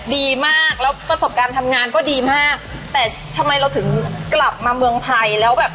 ดีมากแล้วประสบการณ์ทำงานก็ดีมากแต่ทำไมเราถึงกลับมาเมืองไทยแล้วแบบ